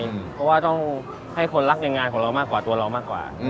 เพราะว่าต้องให้คนรักในงานของเรามากกว่าตัวเรามากกว่า